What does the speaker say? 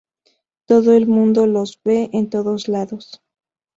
Todo el mundo los ve en todos lados.